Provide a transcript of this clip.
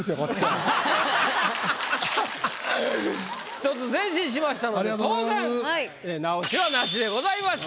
１つ前進しましたので当然直しはなしでございました。